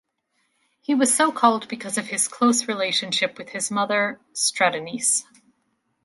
He was so-called because of his close relationship with his mother Stratonice.